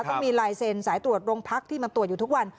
ต้องมีลายเซ็นสายตรวจโรงพักที่มันตรวจอยู่ทุกวัน